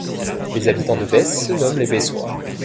Les habitants de Besse se nomment les Bessois.